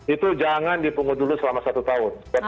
itu jangan dipungut dulu selama satu tahun